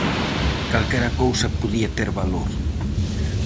Calquera cousa podía ter valor.